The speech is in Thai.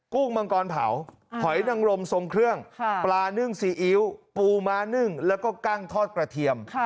ุ้งมังกรเผาหอยนังรมทรงเครื่องปลานึ่งซีอิ๊วปูม้านึ่งแล้วก็กั้งทอดกระเทียม